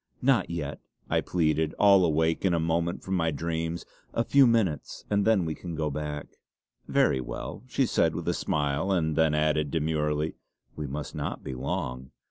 "Not yet!" I pleaded, all awake in a moment from my dreams. "A few minutes, and then we can go back." "Very well," she said with a smile, and then added demurely; "we must not be long."